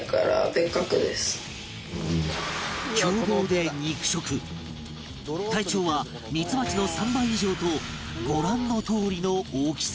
凶暴で肉食体長はミツバチの３倍以上とご覧のとおりの大きさ